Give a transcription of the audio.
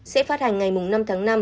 sẽ phát hành ngày năm tháng năm